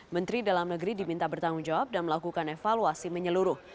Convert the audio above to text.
menteri dalam negeri diminta bertanggung jawab dan melakukan evaluasi menyeluruh